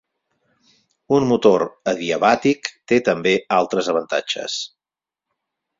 Un motor adiabàtic té també altres avantatges.